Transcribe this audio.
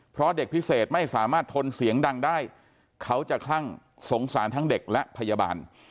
เพราะเด็กพิเศษไม่สามารถทนเสียงดังได้เขาจะคลั่งสงสารทั้งเด็กและพยาบาล